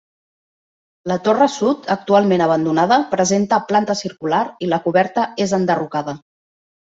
La torre sud, actualment abandonada, presenta planta circular i la coberta és enderrocada.